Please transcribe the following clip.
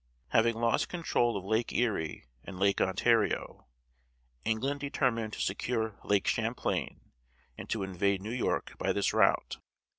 Having lost control of Lake Erie and Lake Ontario, England determined to secure Lake Champlain and to invade New York by this route.